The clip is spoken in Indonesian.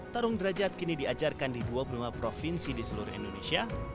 tarung derajat kini diajarkan di dua puluh lima provinsi di seluruh indonesia